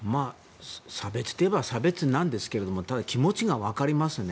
差別といえば差別なんですけどただ、気持ちがわかりますね。